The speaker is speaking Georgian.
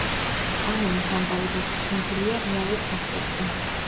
ამინის ამბავი დაფუძნებულია რეალურ ფაქტებზე.